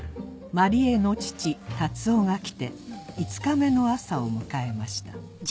万里江の父・達男が来て５日目の朝を迎えました